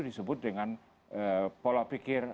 disebut dengan pola pikir